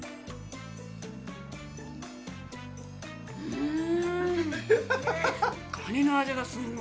うん！